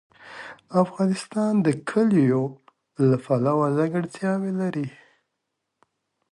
افغانستان د کلیو له پلوه ځانګړتیاوې لري.